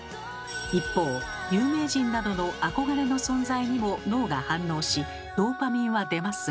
一方有名人などの憧れの存在にも脳が反応しドーパミンは出ますが。